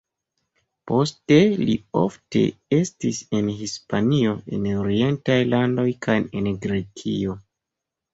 Poste li ofte estis en Hispanio, en orientaj landoj kaj en Grekio.